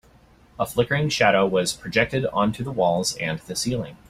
A flickering shadow was projected onto the walls and the ceiling.